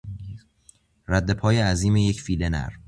ردپای عظیم یک فیل نر